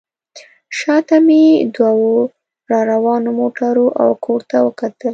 شا ته مې دوو راروانو موټرو او کور ته وکتل.